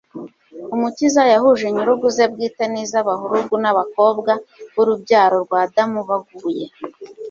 Umukiza yahuje inyurugu ze bwite n'iz'abahurugu n'abakobwa b'urubyaro rwa Adamu baguye,